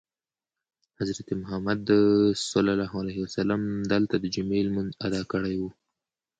حضرت محمد دلته دجمعې لمونځ ادا کړی وو.